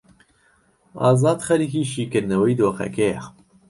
ئازاد خەریکی شیکردنەوەی دۆخەکەیە.